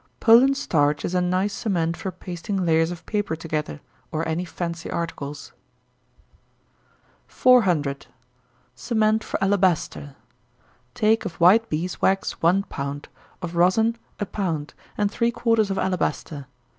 Poland starch is a nice cement for pasting layers of paper together, or any fancy articles. 400. Cement for Alabaster. Take of white bees' wax one pound, of rosin a pound, and three quarters of alabaster.